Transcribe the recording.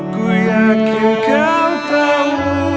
ku yakin kau tahu